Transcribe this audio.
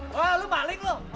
wah lu maling loh